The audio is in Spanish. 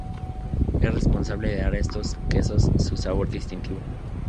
Es responsable de dar a estos quesos su sabor distintivo.